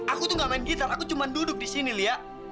aku tuh gak main gitar aku cuma duduk di sini lia